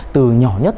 từ nhỏ nhất